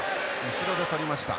後ろで捕りました。